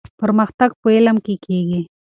پرمختګ په علم کيږي.